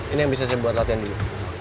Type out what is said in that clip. ini yang bisa saya buat latihan dulu